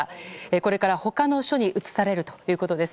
これから他の署に移されるということです。